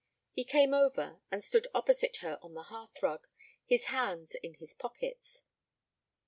He came over and stood opposite her on the hearthrug, his hands in his pockets.